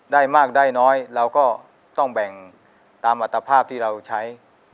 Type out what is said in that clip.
ได้มากได้น้อยเราก็ต้องแบ่งตามอัตภาพที่เราใช้